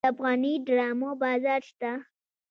د افغاني ډرامو بازار شته؟